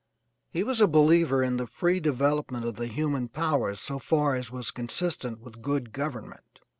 He was a believer in the free development of the human powers so far as was consistent with good government.